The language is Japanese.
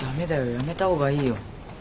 やめたほうがいいよ。